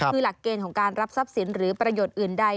คือหลักเกณฑ์ของการรับทรัพย์สินหรือประโยชน์อื่นใด